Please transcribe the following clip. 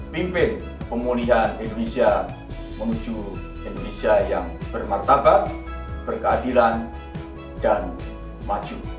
pimpin pemulihan indonesia menuju indonesia yang bermartabat berkeadilan dan maju